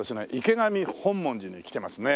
池上本門寺に来てますね。